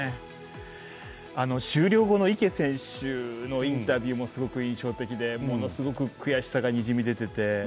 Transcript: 終了後の池選手のインタビューもすごく印象的でものすごく悔しさがにじみ出てて。